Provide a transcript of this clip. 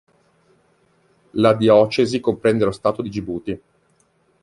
La diocesi comprende lo stato di Gibuti.